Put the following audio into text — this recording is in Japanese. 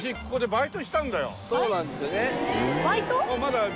バイト？